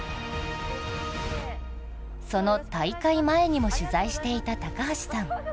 その大会前にも取材していた高橋さん。